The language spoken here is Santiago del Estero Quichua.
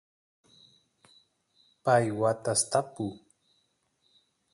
pay watas tapu